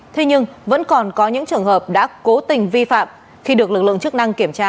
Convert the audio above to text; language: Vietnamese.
thế nhưng vẫn còn có những trường hợp đã cố tình vi phạm khi được lực lượng chức năng kiểm tra